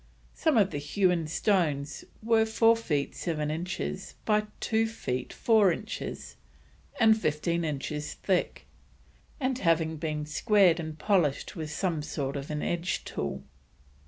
Some of the hewn stones were 4 feet 7 inches by 2 feet 4 inches, and 15 inches thick, and had been squared and polished with some sort of an edge tool.